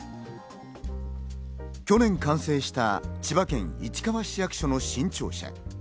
去年、完成した千葉県市川市役所の新庁舎。